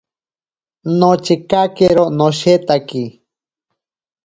Nochekakero noshetaki.